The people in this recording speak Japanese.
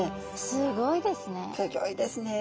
すギョいですね。